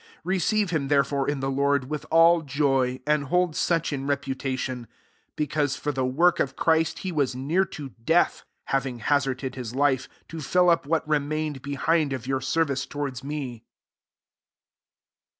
29 Receive him therefore in the Lord with dl joy ; and hold such in refHilft tion : 30 because for the wMt [of Christ} he was neaxTto death, having hazarded his 'tji^ to fill up what remained b^ilnd of yourscrvice towards me.